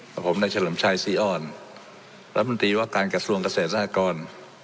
กับผมในเฉลิมชัยศรีอ่อนรัฐมนตรีว่าการกระทรวงเกษตรสหกร